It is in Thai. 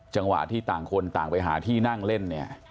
จังหวะที่ต่างคนต่างไปหาที่นั่งเล่นเนี่ย